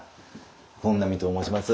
本阿彌と申します。